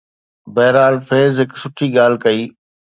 بهرحال، فيض هڪ سٺي ڳالهه ڪئي.